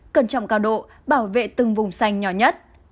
cẩn trọng cao độ bảo vệ từng vùng xanh nhỏ nhất